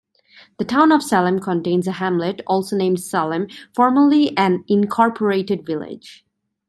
The town of Salem contains a hamlet also named Salem, formerly an incorporated village.